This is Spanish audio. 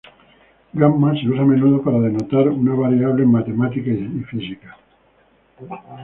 Gamma se usa a menudo para denotar una variable en matemáticas y física.